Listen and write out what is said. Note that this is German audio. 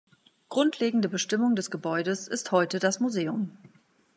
Grundlegende Bestimmung des Gebäudes ist heute das Museum.